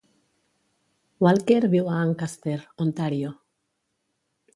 Walker viu a Ancaster, Ontario.